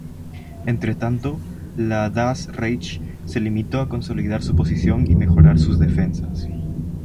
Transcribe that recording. Entretanto, la Das Reich se limitó a consolidar su posición y mejorar sus defensas.